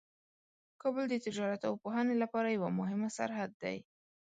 کابل د تجارت او پوهنې لپاره یوه مهمه سرحد ده.